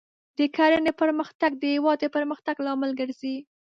د کرنې پرمختګ د هېواد د پرمختګ لامل ګرځي.